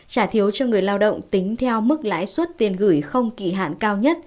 trả thiếu cho người lao động tính theo mức lãi suất tiền gửi không kỳ hạn cao nhất